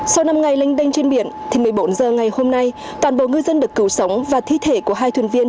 sau năm ngày lênh đênh trên biển thì một mươi bốn h ngày hôm nay toàn bộ ngư dân được cứu sống và thi thể của hai thuyền viên